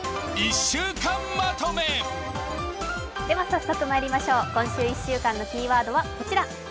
早速まいりましょう、今週１週間のキーワードはこちら。